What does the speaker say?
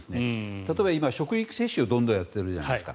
例えば今、職域接種をどんどんやっているじゃないですか。